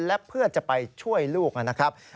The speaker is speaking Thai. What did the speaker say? และเพื่อจะไปช่วยลูกนะครับ